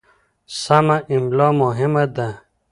سمه املا مهمه ده.